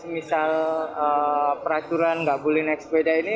misal peraturan nggak boleh naik sepeda ini